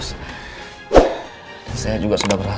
sisi rumah ini